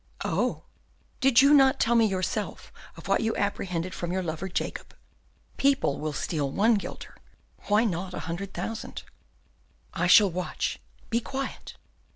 "Oh!" "Did you not tell me yourself of what you apprehended from your lover Jacob? People will steal one guilder, why not a hundred thousand?" "I shall watch; be quiet."